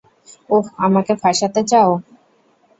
ওহ, আমাকে ফাঁসাতে চাও?